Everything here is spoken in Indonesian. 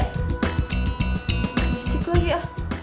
ngesik lagi ya